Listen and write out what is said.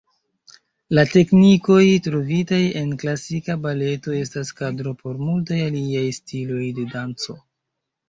La teknikoj trovitaj en klasika baleto estas kadro por multaj aliaj stiloj de danco.